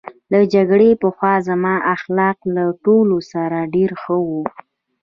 له جګړې پخوا زما اخلاق له ټولو سره ډېر ښه وو